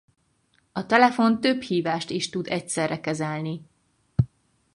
A telefon több hívást is tud egyszerre kezelni.